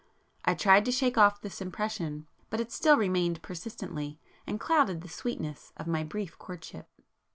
I tried to shake off this impression, but it still remained persistently, and clouded the sweetness of my brief courtship.